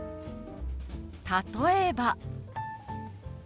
例えば。